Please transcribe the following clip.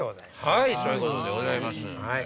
はいそういうことでございます。